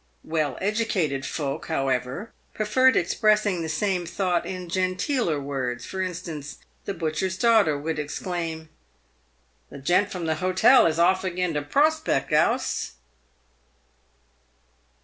"Well educated folk, however, preferred expressing the same thought in genteeler words — for instance, the butcher's daughter would exclaim, " The gent from the hotel is off again to Prospict 'Ouse."